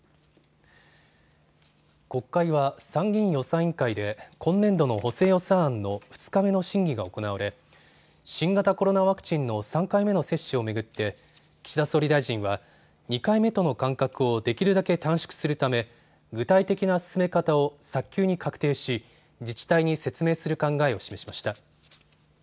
国会は参議院予算委員会で今年度の補正予算案の２日目の審議が行われ新型コロナワクチンの３回目の接種を巡って岸田総理大臣は２回目との間隔をできるだけ短縮するため具体的な進め方を早急に確定し自治体に説明する考えを示しました。